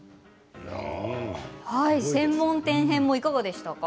専門店編もいかがでしたか。